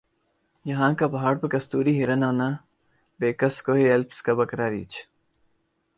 یَہاں کا پہاڑ پر کستوری ہرن آنا بیکس کوہ ایلپس کا بکرا ریچھ